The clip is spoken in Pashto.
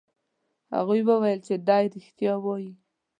هغوی وویل چې دی رښتیا وایي.